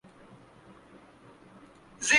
معاف کیجئے میں آپ کی بات سمجھانہیں